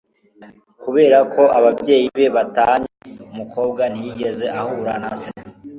kubera ko ababyeyi be batanye, umukobwa ntiyigeze ahura na se